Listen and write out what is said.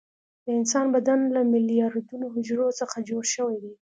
د انسان بدن له میلیاردونو حجرو څخه جوړ شوى ده.